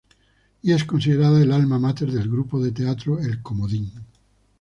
Y es considerada el "alma mater" del grupo de teatro El comodín.